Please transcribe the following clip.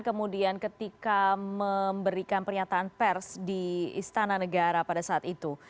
kemudian ketika memberikan pernyataan pers di istana negara pada saat itu